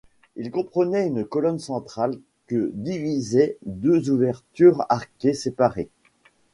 Il comprenait une colonne centrale que divisaient deux ouvertures arquées séparées.